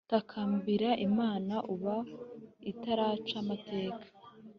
Takambira imana ubu itaraca amateka